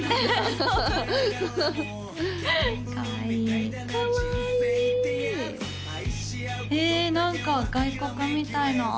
そうそうそうかわいいかわいいえ何か外国みたいな